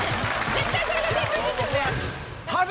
絶対それが正解ですよね。